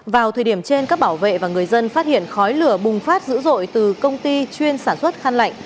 vào thời điểm trên các bảo vệ và người dân phát hiện khói lửa bùng phát dữ dội từ công ty chuyên sản xuất khăn lạnh